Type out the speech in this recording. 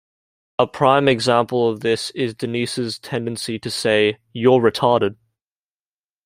A prime example of this is Denise's tendency to say, You're retarded!